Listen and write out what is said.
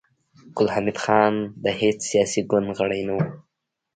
ګل حمید خان د هېڅ سياسي ګوند غړی نه و